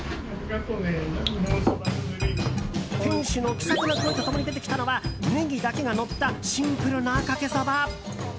店主の気さくな声と共に出てきたのはネギだけがのったシンプルなかけそば。